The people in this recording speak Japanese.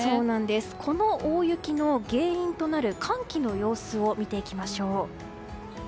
この大雪の原因となる寒気の様子を見ていきましょう。